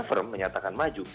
dia belum firm menyatakan maju